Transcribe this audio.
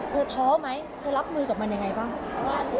ท้อไหมเธอรับมือกับมันยังไงบ้าง